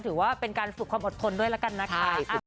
ถือว่าเป็นการฝึกความอดทนด้วยแล้วกันนะคะ